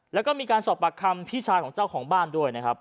แล้วก็มีการสอบปากคำพี่ชายของเจ้าของบ้านด้วยนะครับ